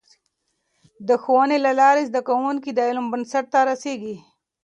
د ښوونې له لارې، زده کوونکي د علم بنسټ ته رسېږي.